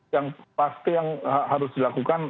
yang pasti yang harus dilakukan